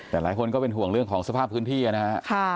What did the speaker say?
แต่หลายคนก็เป็นห่วงเรื่องของสภาพพื้นที่นะฮะ